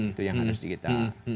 itu yang harus kita